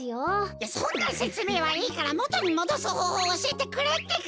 いやそんなせつめいはいいからもとにもどすほうほうをおしえてくれってか！